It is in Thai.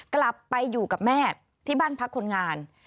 กลับไปอยู่กับแม่ที่บ้านพักคนงาน